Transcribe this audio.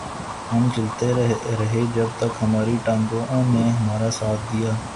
ہم چلتے رہے جب تک ہماری ٹانگوں نے ہمارا ساتھ دیا